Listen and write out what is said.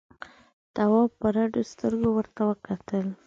تواب په رډو سترګو ورته وکتل.